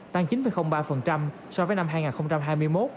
tăng chín ba so với năm hai nghìn hai mươi một